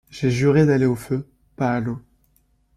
J’ai juré d’aller au feu, pas à l’eau.